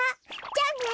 じゃあね。